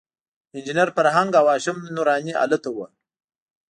انجینر فرهنګ او هاشم نوراني هلته وو.